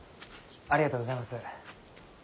ありがとうございます。